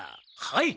はい。